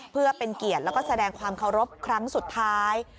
เพื่อเป็นเกียรติแล้วก็แสดงความเคารพครั้งสุดท้าย